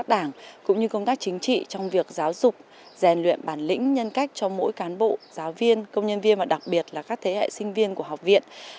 đảng cũng như công tác chính trị trong việc giáo dục rèn luyện bản lĩnh nhân cách cho mỗi cán bộ giáo viên công nhân viên và đặc biệt là các thế hệ sinh viên của học viện